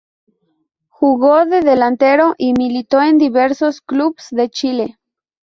Jugó de delantero y militó en diversos clubes de Chile.